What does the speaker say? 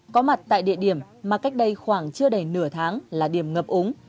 có mặt tại địa điểm mà cách đây khoảng chưa đầy nửa tháng là điểm ngập úng